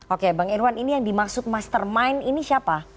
oke bang irwan ini yang dimaksud mastermind ini siapa